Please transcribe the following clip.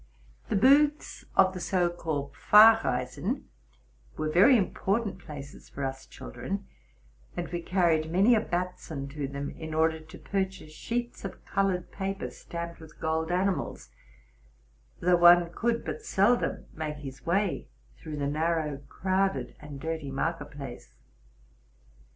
The booths 'of the so called Pfurreisen were very important places for us children, and we carried many a Batzen to them in order to purchase sheets of colored paper stamped with gold animals ; though one could but seldom make his way through the narrow, crowded, and dirty market place.